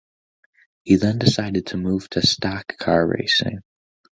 He then decided to move to stock car racing.